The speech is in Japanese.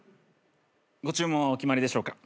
ご注文はお決まりでしょうか？